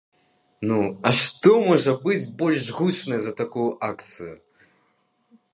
Ну, а што можа быць больш гучнае за такую акцыю?